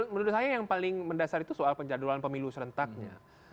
menurut saya yang paling mendasar itu soal penjadwalan pemilu serentaknya